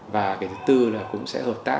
và thứ tư là cũng sẽ hợp tác